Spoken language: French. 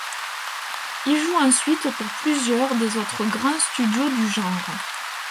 Il joue ensuite pour plusieurs des autres grands studios du genre.